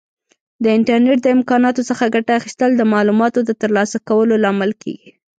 د انټرنیټ د امکاناتو څخه ګټه اخیستل د معلوماتو د ترلاسه کولو لامل کیږي.